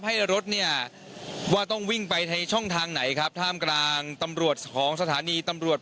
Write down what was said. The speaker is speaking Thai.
ให้รถเนี่ยว่าต้องวิ่งไปในช่องทางไหนครับท่ามกลางตำรวจของสถานีตำรวจ